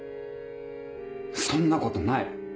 そんなことない。